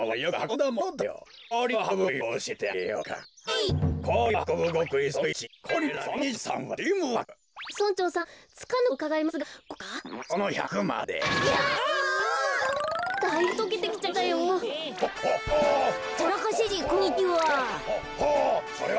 こんにちは。